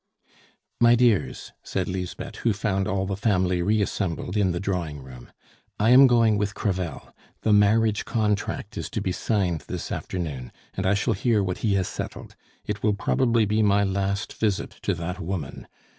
"My dears," said Lisbeth, who found all the family reassembled in the drawing room, "I am going with Crevel: the marriage contract is to be signed this afternoon, and I shall hear what he has settled. It will probably be my last visit to that woman.